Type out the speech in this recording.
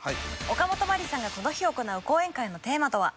おかもとまりさんがこの日行う講演会のテーマとは？